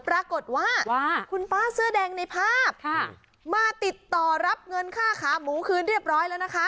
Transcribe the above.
ปรากฏว่าคุณป้าเสื้อแดงในภาพมาติดต่อรับเงินค่าขาหมูคืนเรียบร้อยแล้วนะคะ